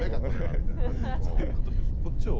こっちを。